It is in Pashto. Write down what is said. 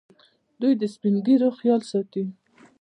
دوی د سپین ږیرو خیال ساتي.